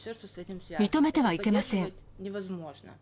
認めてはいけません。